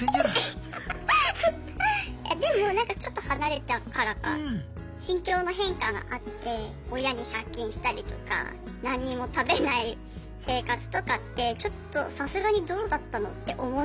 いやでもちょっと離れたからか心境の変化があって親に借金したりとか何にも食べない生活とかってちょっとさすがにどうだったのって思って。